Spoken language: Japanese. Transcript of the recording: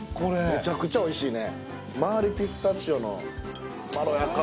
めちゃくちゃおいしいね